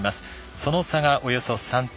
その差がおよそ３点。